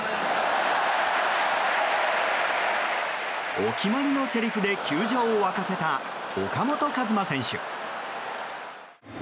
お決まりのせりふで球場を沸かせた岡本和真選手。